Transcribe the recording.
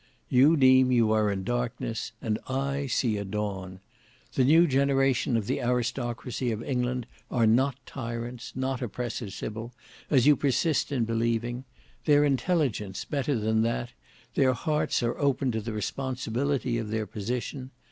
You deem you are in darkness, and I see a dawn. The new generation of the aristocracy of England are not tyrants, not oppressors, Sybil, as you persist in believing. Their intelligence, better than that, their hearts are open to the responsibility of their position.